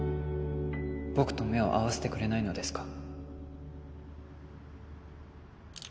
僕と目を合わせてくれないのですか？